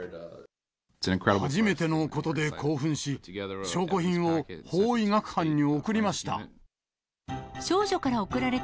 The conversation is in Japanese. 初めてのことで興奮し、証拠品を法医学班に送りました。